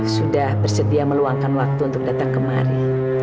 sudah bersedia meluangkan waktu untuk datang kemari